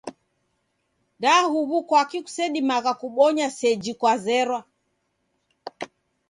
Da huw'u kwaki kusedimagha kubonya seji kwazera.